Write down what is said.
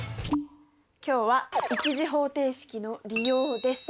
今日は１次方程式の利用です。